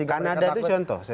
kanada itu contoh